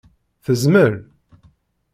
Tezmel?